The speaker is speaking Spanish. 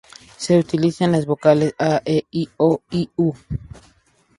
Se utiliza en las vocales "a", "e", "i", "o" y "u".